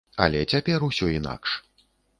Але цяпер усё інакш.